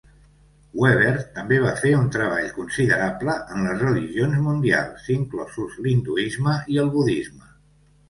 Weber també va fer un treball considerable en les religions mundials, inclosos l'hinduisme i el budisme.